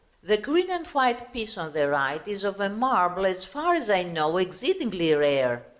The green and white piece on the right is of a marble, as far as I know, exceedingly rare.